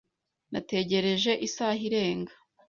Nategereje isaha irenga.